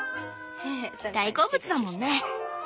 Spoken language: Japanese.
大好物だもんね。